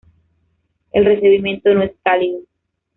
El recibimiento no es cálido.